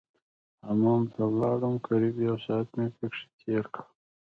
حمام ته ولاړم قريب يو ساعت مې پکښې تېر کړ.